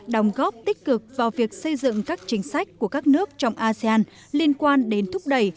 đồng góp tích cực vào việc xây dựng các chính sách của các nước trong asean liên quan đến thúc đẩy